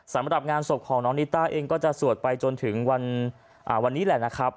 สำหรับงานศพของน้องนิต้าเองก็จะสวดไปจนถึงวันนี้แหละนะครับ